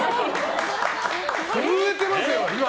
震えてますよ、今。